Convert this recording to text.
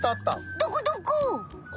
どこどこ？